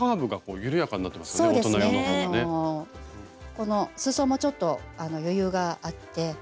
このすそもちょっと余裕があって。